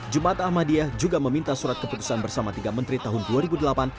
jumat ahmadiyah juga meminta surat keputusan bersama tiga menteri tahun dua ribu delapan